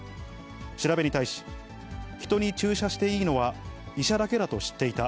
調べに対し、人に注射していいのは医者だけだと知っていた。